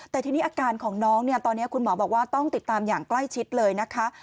แต่ทีนี้อาการของน้องเนี่ยตอนนี้คุณหมอบอกว่าต้องติดตามอย่างใกล้ชิดเลยนะคะ